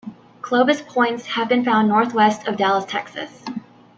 Clovis points have been found northwest of Dallas, Texas.